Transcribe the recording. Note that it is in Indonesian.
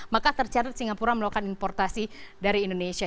maka tercatat singapura melakukan importasi dari indonesia